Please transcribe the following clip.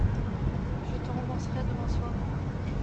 Je te rembourserai demain soir.